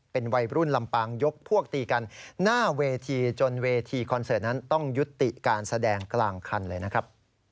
เป็นวัยรุ่นลำปางยกพวกตีกันหน้าเวทีจนเวทีคอนเสิร์ตนั้นต้องยุติการแสดงกลางคันเลยนะครับ